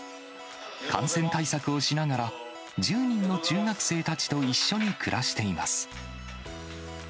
感染対策をしながら、１０人の中学生たちと一緒に暮らしています。